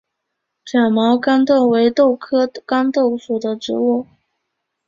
卷毛豇豆为豆科豇豆属的植物。